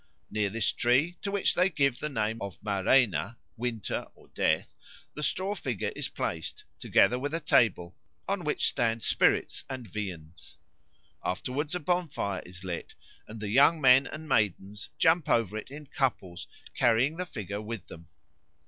Near this tree, to which they give the name of Marena [Winter or Death], the straw figure is placed, together with a table, on which stand spirits and viands. Afterwards a bonfire is lit, and the young men and maidens jump over it in couples, carrying the figure with them.